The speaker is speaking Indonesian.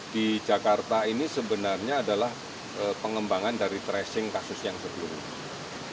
di jakarta ini sebenarnya adalah pengembangan dari tracing kasus yang sebelumnya